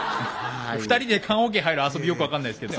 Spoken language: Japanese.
２人で棺おけ入る遊びよく分かんないですけど。